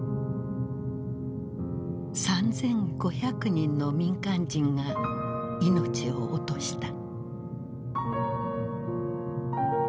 ３，５００人の民間人が命を落とした。